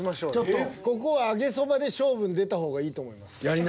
ここは揚げそばで勝負に出た方がいいと思います。